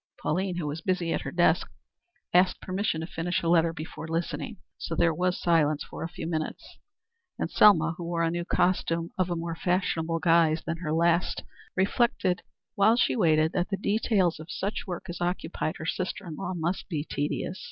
Pauline, who was busy at her desk, asked permission to finish a letter before listening; so there was silence for a few minutes, and Selma, who wore a new costume of a more fashionable guise than her last, reflected while she waited that the details of such work as occupied her sister in law must be tedious.